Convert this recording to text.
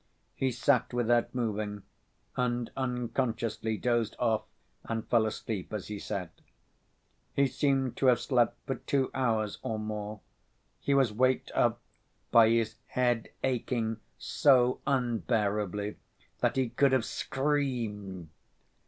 He sat without moving, and unconsciously dozed off and fell asleep as he sat. He seemed to have slept for two hours or more. He was waked up by his head aching so unbearably that he could have screamed.